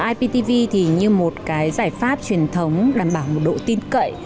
iptv như một giải pháp truyền thống đảm bảo độ tin cậy